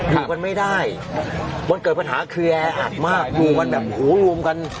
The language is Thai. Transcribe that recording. อยู่กันไม่ได้มันเกิดปัญหาเคลียร์อัดมากอยู่กันแบบหูรวมกัน